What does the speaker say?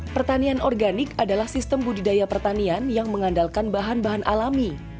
pertanian organik adalah sistem budidaya pertanian yang mengandalkan bahan bahan alami